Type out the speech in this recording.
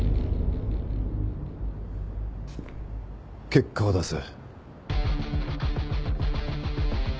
結果を出せ。